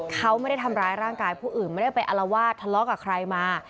เขาไม่ได้ทำร้ายร่างกายผู้อื่นไม่ได้ไปอารวาสทะเลาะกับใครมา